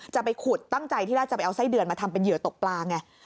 จะไปขุดตั้งใจที่น่าจะไปเอาไส้เดือนมาทำเป็นเหยื่อตกปลาไง